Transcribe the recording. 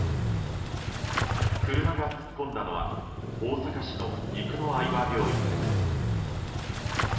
車が突っ込んだのは大阪市の生野愛和病院です。